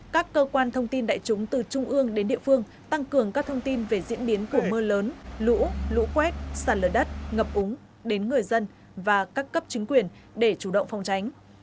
các cơ quan thông tin đại chúng từ trung ương đến địa phương tăng cường các thông tin về diễn biến của mưa lớn lũ lũ quét sạt lở đất ngập úng đến người dân và các cấp chính quyền để chủ động phòng tránh